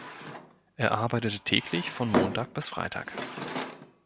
Er arbeitete täglich von Montag bis Freitag